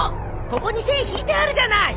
ここに線引いてあるじゃない！